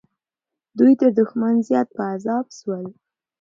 دوی تر دښمن زیات په عذاب سول.